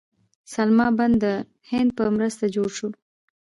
سلما بند د هند په مرسته جوړ شو